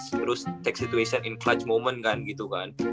terus take situation in clutch moment kan gitu kan